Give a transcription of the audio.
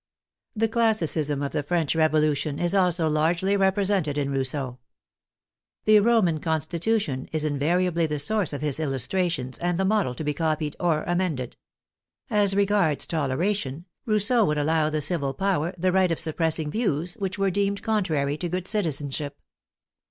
The classicism of the French Revolution is also largely represented in Rousseau. The Roman constitution is in variably the source of his illustrations and the model to be copied or amended. As regards toleration, Rousseau would allow the civil power the right of suppressing views which were deemed contrary to good citizenship.